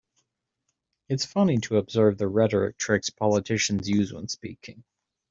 It's funny to observe the rhetoric tricks politicians use when speaking.